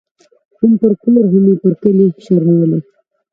هم پر کور هم یې پر کلي شرمولې